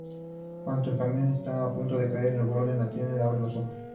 Cuando el camión está a punto de caer del borde, Natalie abre los ojos.